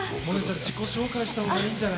自己紹介したほうがいいんじ